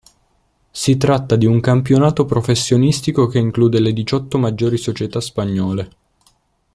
Si tratta di un campionato professionistico che include le diciotto maggiori società spagnole.